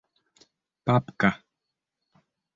Папка!